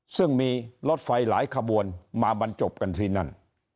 ซึ่งมีรถไฟหลายขบวนมาบรรจบกันที่นั่น